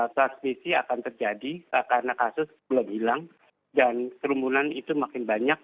transmisi akan terjadi karena kasus belum hilang dan kerumunan itu makin banyak